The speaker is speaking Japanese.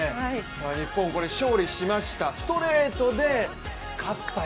日本、勝利しました、ストレートで勝った。